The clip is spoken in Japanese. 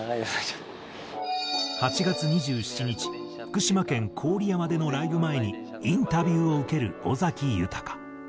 ８月２７日福島県郡山でのライブ前にインタビューを受ける尾崎豊。